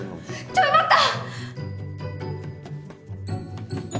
ちょい待った！